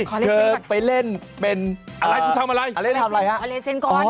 คอเลสเซนก่อน